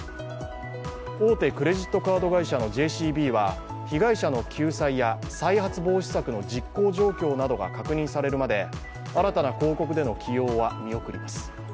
大手クレジットカード会社のＪＣＢは被害者の救済や再発防止策の実行状況などが確認されるまで、新たな広告での起用は見送ります。